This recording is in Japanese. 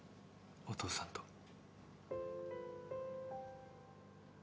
お父さんと。